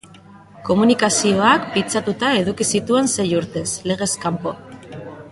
Komunikazioak pintxatuta eduki zituen sei urtez, legez kanpo.